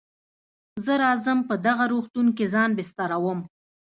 زه راځم په دغه روغتون کې ځان بستروم.